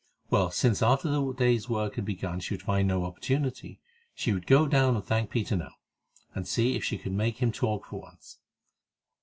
Well, since after the day's work had begun she would find no opportunity, she would go down and thank Peter now, and see if she could make him talk for once.